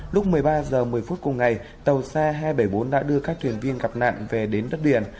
lúc một mươi ba giờ một mươi phút cùng ngày tàu xa hai trăm bảy mươi bốn đã đưa các thuyền viên gặp nạn về đến đất điện